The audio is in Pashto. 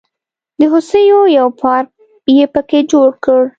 د هوسیو یو پارک یې په کې جوړ کړ.